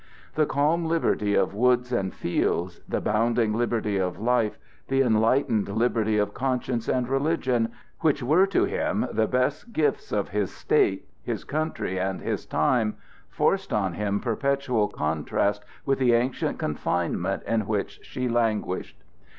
The calm liberty of woods and fields, the bounding liberty of life, the enlightened liberty of conscience and religion, which were to him the best gifts of his State, his country, and his time, forced on him perpetual contrast with the ancient confinement in which she languished.